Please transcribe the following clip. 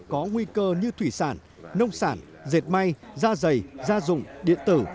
có nguy cơ như thủy sản nông sản dệt may da dày da dùng điện tử